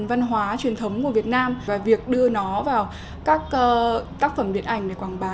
văn hóa truyền thống của việt nam và việc đưa nó vào các tác phẩm điện ảnh để quảng bá